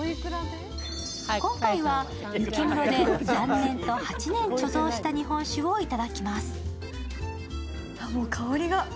今回は雪室で３年と８年、貯蔵した日本酒をいただきます。